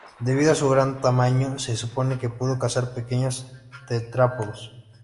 Debido a su gran tamaño se supone que pudo cazar pequeños tetrápodos.